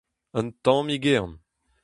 Un tammig ehan.